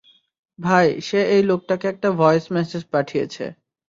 ভাই, সে এই লোকটাকে একটা ভয়েস মেসেজ পাঠিয়েছে।